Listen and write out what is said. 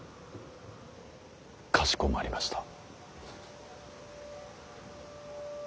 かしこまりました。